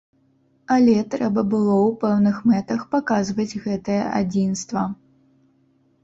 Але трэба было ў пэўных мэтах паказваць гэтае адзінства.